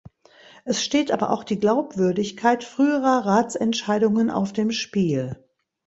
Es steht aber auch die Glaubwürdigkeit früherer Ratsentscheidungen auf dem Spiel.